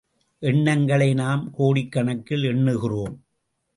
எண்ணங்களை நாம் கோடிக்கணக்கில் எண்ணுகிறோம்.